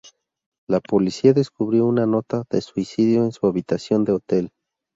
La policía descubrió una nota de suicidio en su habitación de hotel.